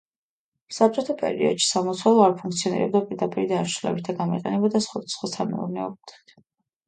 საბჭოთა პერიოდში სამლოცველო არ ფუნქციონირებდა პირდაპირი დანიშნულებით და გამოიყენებოდა სხვადასხვა სამეურნეო კუთხით.